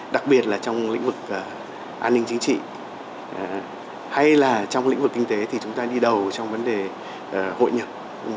đặc biệt là trong lĩnh vực an ninh chính trị hay là trong lĩnh vực kinh tế thì chúng ta đi đầu trong vấn đề hội nhập